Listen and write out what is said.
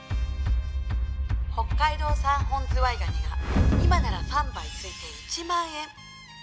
北海道産本ズワイガニが今なら３杯付いて１万円！